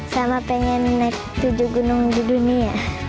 sama pengen naik tujuh gunung di dunia